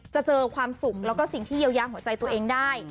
เจอความสุขแล้วก็สิ่งที่เยียวยาหัวใจตัวเองได้